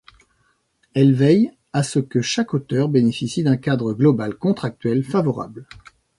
Elle veille à ce que chaque auteur bénéficie d'un cadre global contractuel favorable.